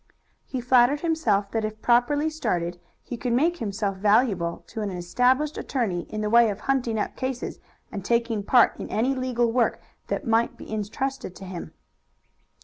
He flattered himself that if properly started he could make himself valuable to an established attorney in the way of hunting up cases, and taking part in any legal work that might be intrusted to him.